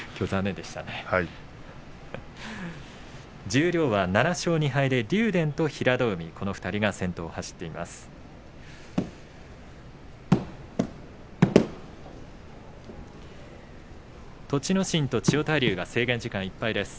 十両は７勝２敗で竜電と平戸海この２人が先頭を走っています。